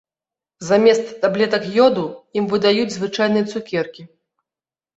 Замест таблетак ёду ім выдаюць звычайныя цукеркі.